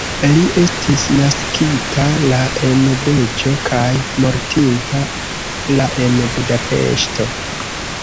Li estis naskita la en Deĵo kaj mortinta la en Budapeŝto.